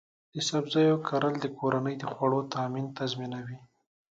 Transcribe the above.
د سبزیو کرل د کورنۍ د خوړو تامین تضمینوي.